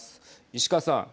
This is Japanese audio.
石川さん。